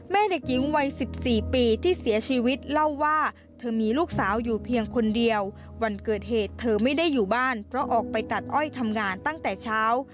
แม่เด็กหญิงวัย๑๔ปีที่เสียชีวิตเล่าว่าเธอมีลูกสาวอยู่เพียงคนเดียววันเกิดเหตุเธอไม่ได้อยู่บ้านเพราะออกไปตัดอ้อยทำงานตั้งแต่เช้า